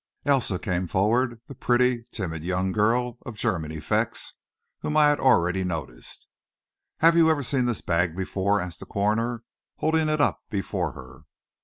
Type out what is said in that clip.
Elsa came forward, the pretty, timid young girl, of German effects, whom I had already noticed. "Have you ever seen this bag before?" asked the coroner, holding it up before her.